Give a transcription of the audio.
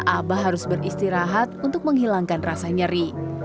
abah harus beristirahat untuk menghilangkan rasa nyeri